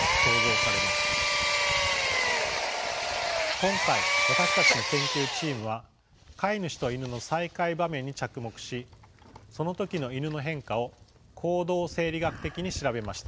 今回私たちの研究チームは飼い主とイヌの再会場面に着目しその時のイヌの変化を行動生理学的に調べました。